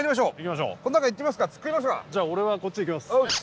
じゃあ俺はこっち行きます。